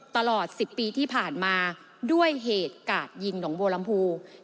ตลอด๑๐ปีที่ผ่านมาด้วยเหตุกาศยิงหนงโบรมภูมิ